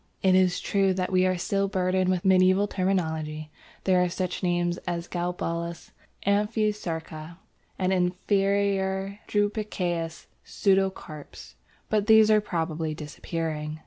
It is true that we are still burdened with medieval terminology. There are such names as "galbulus," "amphisarca," and "inferior drupaceous pseudocarps," but these are probably disappearing.